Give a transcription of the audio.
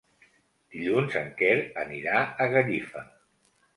Dilluns en Quer anirà a Gallifa.